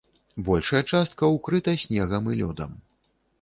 Большая частка ўкрыта снегам і лёдам.